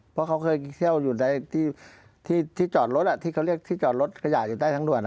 เพราะเขาเคยเที่ยวอยู่ในที่จอดรถที่เขาเรียกที่จอดรถขยะอยู่ใต้ทางด่วน